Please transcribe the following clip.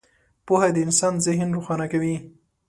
• پوهه د انسان ذهن روښانه کوي.